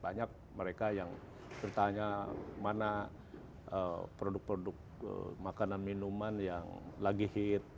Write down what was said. banyak mereka yang bertanya mana produk produk makanan minuman yang lagi hit